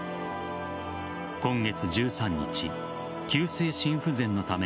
今月１３日、急性心不全のため